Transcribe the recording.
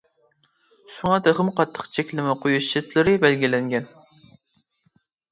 شۇڭا، تېخىمۇ قاتتىق چەكلىمە قويۇش شەرتلىرى بەلگىلەنگەن.